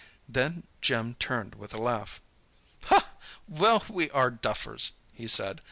Then Jim turned with a laugh. "Well, we are duffers," he said.